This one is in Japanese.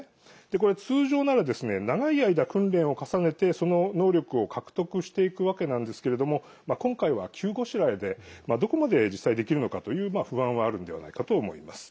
これ、通常なら長い間訓練を重ねてその能力を獲得していくわけなんですけれども今回は、急ごしらえでどこまで実際できるのかという不安はあるんではないかと思います。